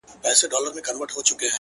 و تاته د جنت حوري غلمان مبارک-